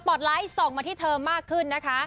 ไลท์ส่องมาที่เธอมากขึ้นนะคะ